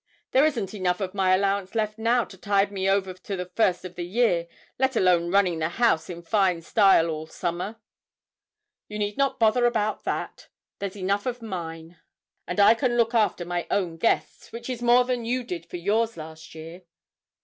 "There isn't enough of my allowance left now to tide me over to the first of the year, let alone running the house in fine style all summer." "You need not bother about that there's enough of mine, and I can look after my own guests, which is more than you did for yours last year."